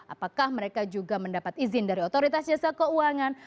apakah mereka juga mendapat izin dari otoritas jasa keuangan